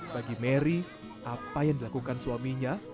bagi mary apa yang dilakukan suaminya